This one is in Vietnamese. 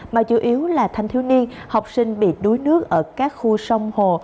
mà chủ yếu là thanh thiếu niên học sinh bị đuối nước ở các khu sông hồ